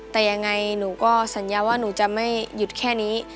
แต่ยังไงหนูก็สัญญาว่าหนูจะไม่หยุดแค่นี้